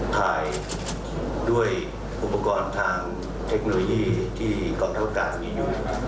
ถ่ายด้วยอุปกรณ์ทางเทคโนโลยีที่กองทัพอากาศมีอยู่